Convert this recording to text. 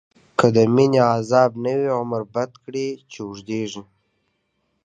که دمينی عذاب نه وی، عمر بد کړی چی اوږديږی